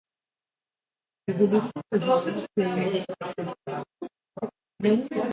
Izberite med visoko in nizko ceno.